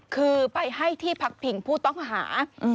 คือไปให้ที่พักพิงผู้ต้องหา